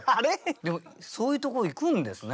でもそういうところ行くんですね。